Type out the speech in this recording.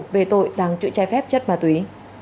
về tội tàng trụ chai phép chất ma túy